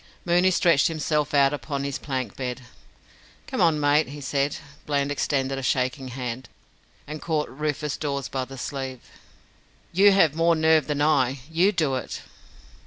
Mooney stretched himself out upon his plank bed. "Come on, mate," he said. Bland extended a shaking hand, and caught Rufus Dawes by the sleeve. "You have more nerve than I. You do it."